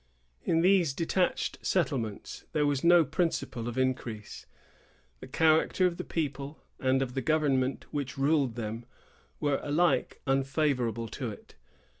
In these detached settlements, there was no principle of increase. The character of the people, and of the government which ruled them, were alike unfavorable to it.